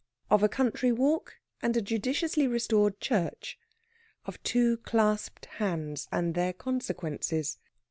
OF A COUNTRY WALK AND A JUDICIOUSLY RESTORED CHURCH. OF TWO CLASPED HANDS, AND THEIR CONSEQUENCES.